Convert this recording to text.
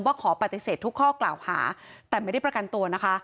ขอปฏิเสธทุกข้อกล่าวหาแต่ไม่ได้ประกันตัวนะคะ